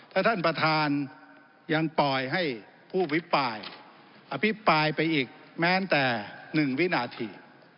ถ้าท่านประธานยังปล่อยให้ผู้อภิปรายอภิปรายไปอีกแม้แต่๑วินาที